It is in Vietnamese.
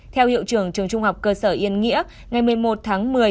theo hiệu trường trường trung học cơ sở yên nghĩa ngày một mươi một tháng một mươi